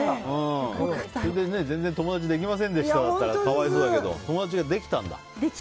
これで全然友達できませんだったら可哀想だけど、友達ができたんだ。